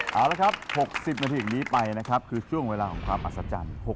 เอาละครับ๖๐นาทีของนี้ไปนะครับคือช่วงเวลาของความอัศจรรย์